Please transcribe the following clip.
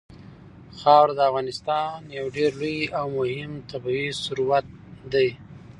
خاوره د افغانستان یو ډېر لوی او مهم طبعي ثروت دی.